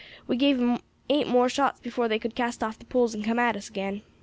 We gave 'em eight more shots before they could cast off the poles and come at us again.